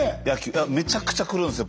めちゃくちゃ来るんですよ